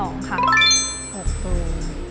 ข้อ๒ค่ะ๖รู